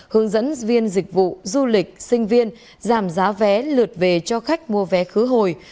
hướng dẫn viên dịch vụ du lịch sinh viên giảm giá vé lượt về cho khách mua vé khứ hồi